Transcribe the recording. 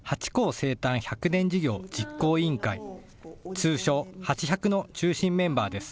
生誕１００年事業実行委員会、通称、ハチ１００の中心メンバーです。